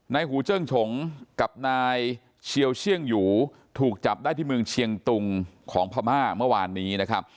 หูเจิ้งฉงกับนายเชียวเชื่องหยูถูกจับได้ที่เมืองเชียงตุงของพม่าเมื่อวานนี้นะครับ